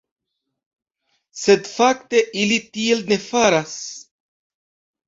Sed fakte ili tiel ne faras.